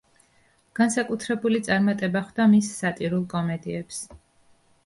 განსაკუთრებული წარმატება ხვდა მის სატირულ კომედიებს.